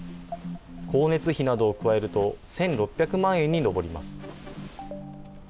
光熱費などを加えると、１６００万円に上ります。